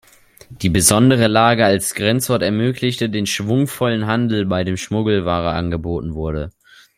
Die besondere Lage als Grenzort ermöglichte den schwungvollen Handel, bei dem Schmuggelware angeboten wurde.